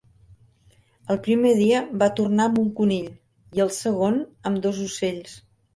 El primer dia va tornar amb un conill, i el segon, amb dos ocells.